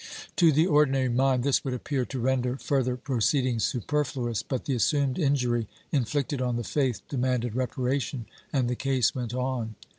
To the ordinary mind this would appear to render further proceedings superfluous, but the assumed injury inflicted on the faith demanded reparation, and the case went on.